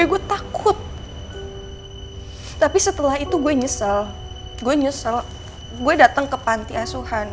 ya sama gue gue takut tapi setelah itu gue nyesel gua nyesel gue datang ke pantiasuhan